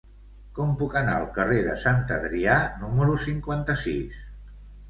Com puc anar al carrer de Sant Adrià número cinquanta-sis?